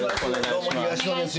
どうも東野です